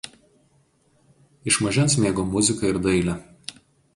Iš mažens mėgo muziką ir dailę.